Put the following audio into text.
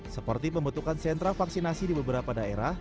seperti pembentukan sentra vaksinasi di beberapa daerah